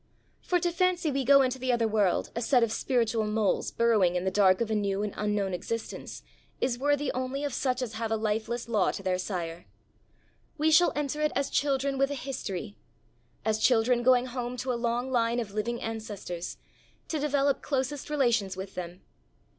For to fancy we go into the other world a set of spiritual moles burrowing in the dark of a new and unknown existence, is worthy only of such as have a lifeless Law to their sire. We shall enter it as children with a history, as children going home to a long line of living ancestors, to develop closest relations with them.